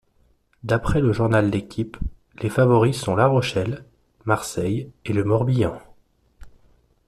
D'après le journal L'Équipe, les favoris sont La Rochelle, Marseille et le Morbihan.